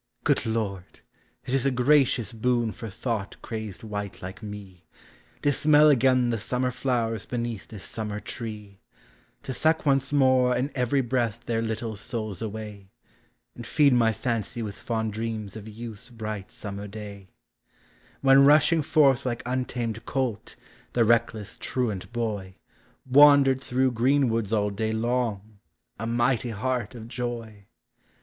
Good Lord ! it is a gracious boon for thought crazed wight like me, To smell again the summer flowers beneath this summer tree ! To suck once more in every breath their little souls away, And feed my fancy with fond dreams of youth's bright summer day, When, rushing forth like untamed colt, the reck less, truant boy Wandered through greenwoods all day long, a mighty heart of joy!